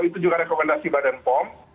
itu juga rekomendasi badan pom